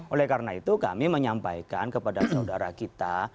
oleh karena itu kami menyampaikan kepada saudara kita